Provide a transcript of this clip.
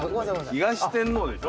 東天王でしょ？